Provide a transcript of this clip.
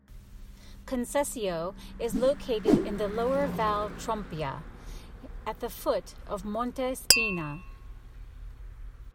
Concesio is located in the lower Val Trompia, at the foot of Monte Spina.